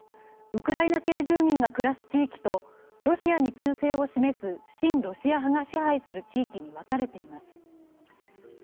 ウクライナ系住民が暮らす地域とロシアに忠誠を示す親ロシア派が支配する地域に分かれています。